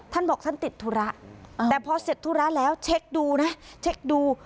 ท่านบอกท่านติดธุระแต่พอเสร็จธุระแล้วเช็คดูนะเช็คดู